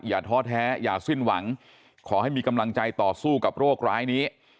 ท้อแท้อย่าสิ้นหวังขอให้มีกำลังใจต่อสู้กับโรคร้ายนี้